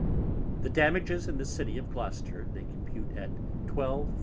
The Damages in the City of Gloucester they compute at 12000 _l.